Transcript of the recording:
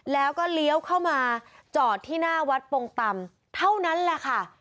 แล้วก็เลี้ยวเข้ามาจอดที่หน้าวัดปงตำเท่านั้นแหละค่ะ